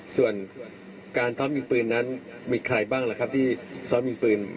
ส่วนการซ้อมยิงปืนนั้นมีใครบ้างล่ะครับที่ซ้อมยิงปืน